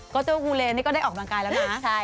ก็ตัวกูเลนี่ก็ได้ออกบังกัยแล้วนะ